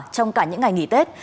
trong cả những ngày nghỉ tết